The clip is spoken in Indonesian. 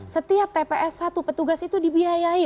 setiap tps satu petugas itu dibiayai